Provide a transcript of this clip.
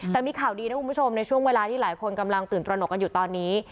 แต่มีข่าวดีนะคุณผู้ชมในช่วงเวลาที่หลายคนกำลังตื่นตระหนกกันอยู่ตอนนี้